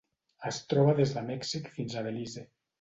Es troba des de Mèxic fins a Belize.